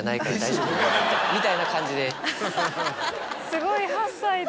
すごい８歳で。